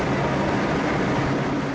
hal yang terjadi di surabaya